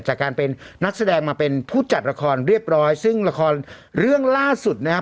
จากการเป็นนักแสดงมาเป็นผู้จัดละครเรียบร้อยซึ่งละครเรื่องล่าสุดนะครับ